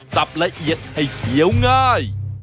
ละเอียดให้เขียวง่าย